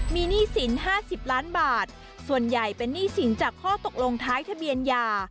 มีหนี้สิน๕๐ล้านบาทส่วนใหญ่เป็นหนี้สินจากข้อตกลงท้ายทะเบียนยา